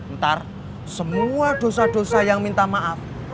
ntar semua dosa dosa yang minta maaf